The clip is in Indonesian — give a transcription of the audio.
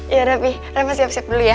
ya revi reva siap siap dulu ya